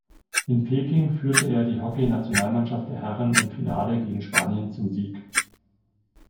In Peking führte er die Hockeynationalmannschaft der Herren im Finale gegen Spanien zum Sieg.